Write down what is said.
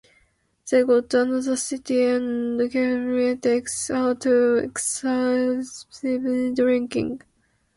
They go to another city and Keshav takes to excessive drinking.